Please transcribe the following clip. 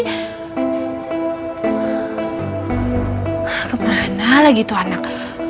ah kemana lagi tuh anak